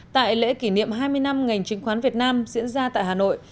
tại lễ kỷ niệm hai mươi năm ngành chứng khoán việt nam diễn ra tại hà nội